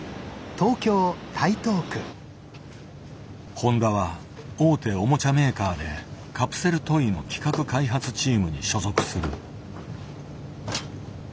誉田は大手おもちゃメーカーでカプセルトイの企画開発チームに所属する。